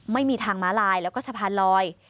ไม่มีทางม้าลายแล้วก็สะพานลอย